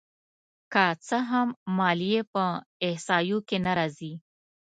که څه هم ماليې په احصایو کې نه راځي